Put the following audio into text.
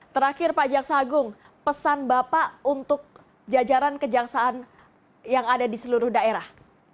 terakhir pak jaksa agung pesan bapak untuk jajaran kejaksaan yang ada di seluruh daerah